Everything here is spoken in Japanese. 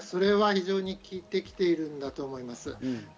それは非常に効いてきていると思います。